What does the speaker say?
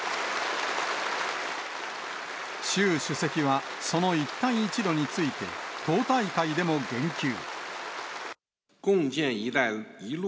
習主席は、その一帯一路について、党大会でも言及。